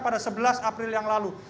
pada sebelas april yang lalu